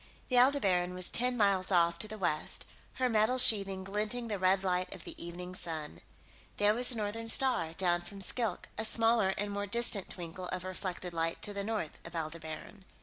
The Aldebaran was ten miles off, to the west, her metal sheathing glinting in the red light of the evening sun. There was the Northern Star, down from Skilk, a smaller and more distant twinkle of reflected light to the north of Aldebaran.